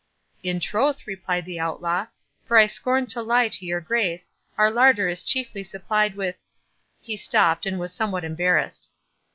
"In troth," replied the Outlaw, "for I scorn to lie to your Grace, our larder is chiefly supplied with—" He stopped, and was somewhat embarrassed.